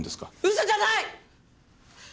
嘘じゃない！